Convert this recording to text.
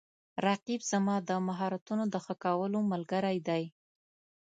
رقیب زما د مهارتونو د ښه کولو ملګری دی